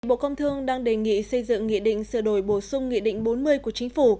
bộ công thương đang đề nghị xây dựng nghị định sửa đổi bổ sung nghị định bốn mươi của chính phủ